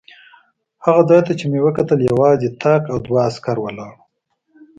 هغه ځای ته چې مې وکتل یوازې طاق او دوه عسکر ولاړ و.